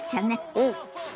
うん！